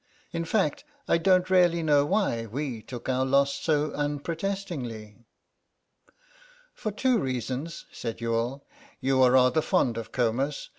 In fact I don't really know why we took our loss so unprotestingly." "For two reasons," said Youghal; "you are rather fond of Comus.